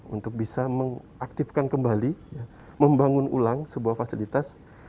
untuk bisa mengaktifkan kembali membangun ulang sebuah fasilitas